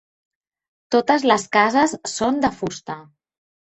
Totes les cases són de fusta.